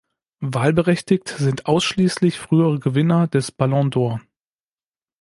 Wahlberechtigt sind ausschließlich frühere Gewinner des Ballon d’Or.